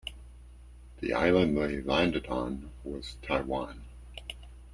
The island they landed on was Taiwan.